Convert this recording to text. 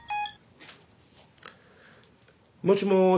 もしもし。